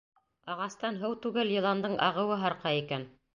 Ағастан һыу түгел, йыландың ағыуы һарҡа икән.